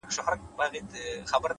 وخت د هر څه ارزښت ښيي؛